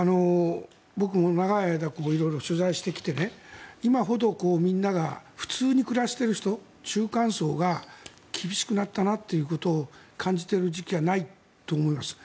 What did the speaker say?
僕も長い間色々取材してきて今ほどみんなが普通に暮らしている人中間層が厳しくなったなということを感じている時期はないと思います。